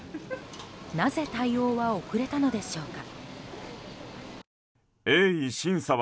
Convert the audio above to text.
なぜ対応が遅れたのでしょうか。